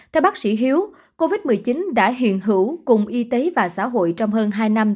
theo bác sĩ hiếu covid một mươi chín đã hiện hữu cùng y tế và xã hội trong hơn hai năm